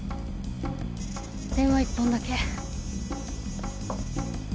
電話１本だけ。